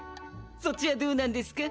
そっちはどうなんですか？